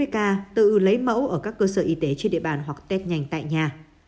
hai mươi ca tự lấy mẫu ở các cơ sở y tế trên địa bàn hoặc test nhanh tại nhà